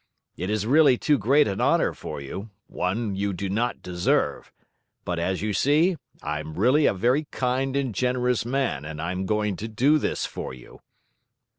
It is really too great an honor for you, one you do not deserve; but, as you see, I am really a very kind and generous man and I am going to do this for you!"